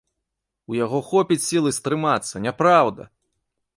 У яго хопіць сілы стрымацца, няпраўда!